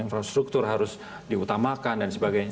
infrastruktur harus diutamakan dan sebagainya